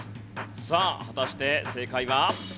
さあ果たして正解は？